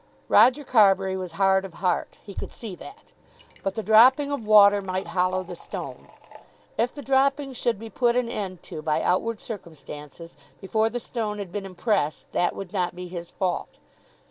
Roger Carbury was hard of heart. He could see that. But the dropping of water might hollow the stone. If the dropping should be put an end to by outward circumstances before the stone had been impressed that would not be his fault.